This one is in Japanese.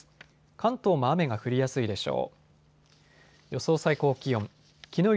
関東も雨が降りやすいでしょう。